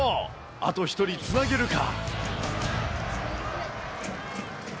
あと１人、つなげるか。